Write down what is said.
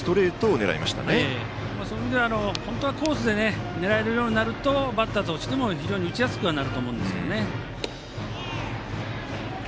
そういう意味では本当はコースで狙えるようになるとバッターとしても非常に打ちやすくなるとは思うんですけどね。